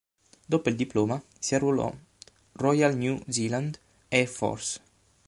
Dopo il diploma si arruolò Royal New Zealand Air Force.